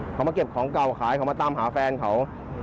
เขามาเก็บของเก่าขายเขามาตามหาแฟนเขา